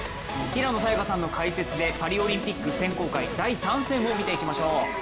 平野早矢香さんの解説でパリオリンピック選考会第３戦を見ていきましょう。